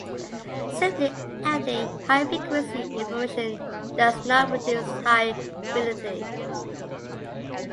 Simply adding high frequency information does not produce high fidelity.